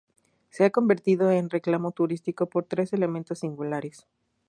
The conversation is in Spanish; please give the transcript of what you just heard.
Se ha convertido en reclamo turístico por tres elementos singulares.